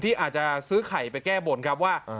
อาจจะซื้อไข่ไปแก้บนครับว่า